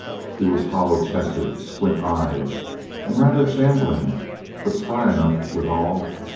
He was hollow chested, squint eyed, and rather shambling, but spry enough withal.